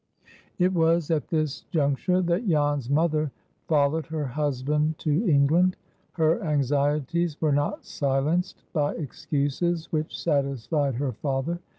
It was at this juncture that Jan's mother followed her husband to England. Her anxieties were not silenced by excuses which satisfied her father.